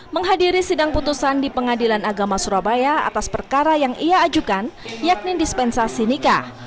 menghadiri sidang putusan di pengadilan agama surabaya atas perkara yang ia ajukan yakni dispensasi nikah